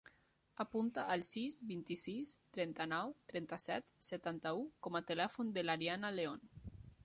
Apunta el sis, vint-i-sis, trenta-nou, trenta-set, setanta-u com a telèfon de l'Arianna Leon.